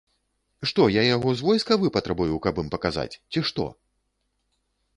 Што, я яго з войска выпатрабую, каб ім паказаць, ці што?